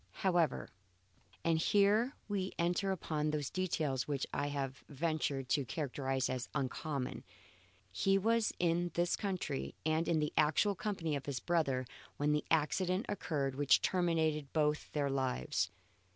However, and here we enter upon those details which I have ventured to characterize as uncommon, he was in this country and in the actual company of his brother when the accident occurred which terminated both their lives.